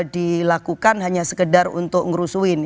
dilakukan hanya sekedar untuk ngerusuin